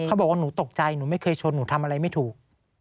เขาบอกว่าหนูตกใจหนูไม่เคยชนหนูทำอะไรไม่ถูก